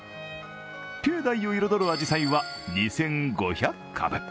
境内を彩るあじさいは２５００株。